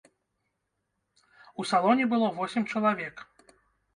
У салоне было восем чалавек.